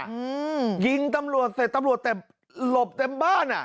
อืมยิงตำรวจเสร็จตำรวจเต็มหลบเต็มบ้านอ่ะ